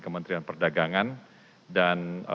kementerian perdagangan dan